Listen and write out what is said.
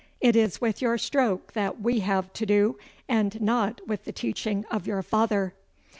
'It is with your stroke that we have to do, and not with the teaching of your father.